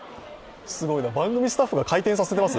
番組スタッフが回転させてます？